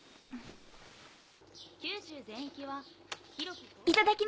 九州全域は広く。